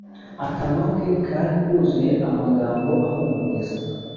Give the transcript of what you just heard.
Akanwa ke Kari kuzuye amagambo ahumuriza